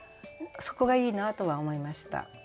そこがいいなとは思いました。